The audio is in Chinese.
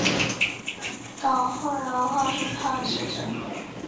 稻富流炮术创始者。